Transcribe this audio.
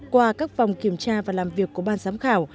qua các vòng kiểm tra và làm việc của ban giám khảo